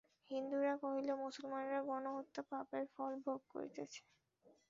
হিন্দুরা কহিল, মুসলমানেরা গোহত্যা-পাপের ফল ভোগ করিতেছে।